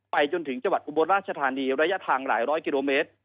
จนถึงจังหวัดอุบลราชธานีระยะทางหลายร้อยกิโลเมตร